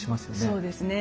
そうですね。